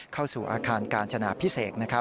เข้าสู่อาการจนาพิเศษ